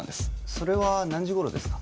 それは何時頃ですか？